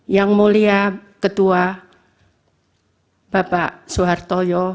yang mulia ketua bapak suhartoyo